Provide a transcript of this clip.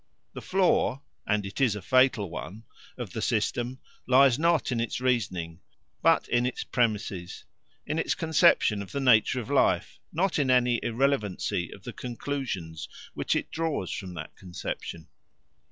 The flaw and it is a fatal one of the system lies not in its reasoning, but in its premises; in its conception of the nature of life, not in any irrelevancy of the conclusions which it draws from that conception.